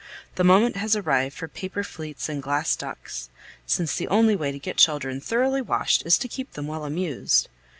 The moment has arrived for paper fleets and glass ducks, since the only way to get children thoroughly washed is to keep them well amused.